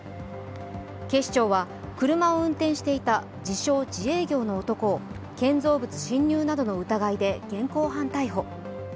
警視庁は車を運転していた自称・自営業の男を建造物侵入などの疑いで現行犯逮捕。